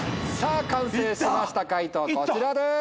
完成しました解答こちらです。